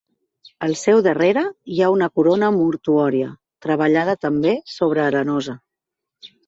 Al seu darrere hi ha una corona mortuòria, treballada també sobre arenosa.